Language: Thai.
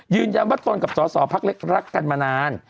ยืนย้ำว่าตนกับสอสอภาคเล็กรักกันมานาน